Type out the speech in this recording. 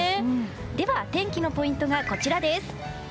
では天気のポイントがこちらです。